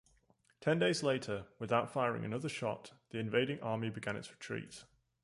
Ten days later, without firing another shot, the invading army began its retreat.